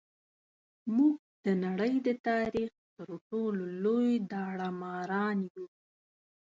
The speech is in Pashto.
موږ د نړۍ د تاریخ تر ټولو لوی داړه ماران یو.